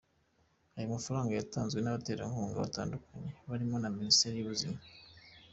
Ayo mafaranga yatanzwe n’abaterankunga batandukanye barimo na Minisiteri y’Ubuzima.